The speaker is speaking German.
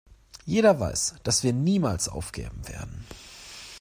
Jeder weiß, dass wir niemals aufgeben werden!